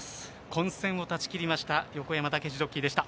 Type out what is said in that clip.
混戦を断ち切りました横山武史ジョッキーでした。